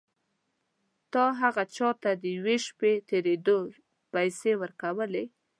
تا هغه چا ته د یوې شپې تېرېدو پيسې ورکولې.